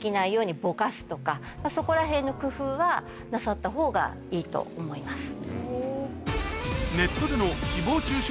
そこらへんの工夫はなさったほうがいいと思います。